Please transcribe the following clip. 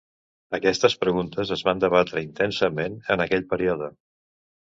Aquestes preguntes es van debatre intensament en aquell període.